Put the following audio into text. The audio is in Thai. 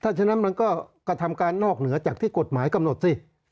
ถ้าฉะนั้นมันก็กระทำการนอกเหนือจากที่กฎหมายกำหนดสิ